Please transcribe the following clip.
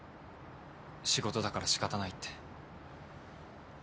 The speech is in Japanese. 仕事だからしかたないって。